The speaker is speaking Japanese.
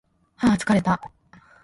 はー疲れた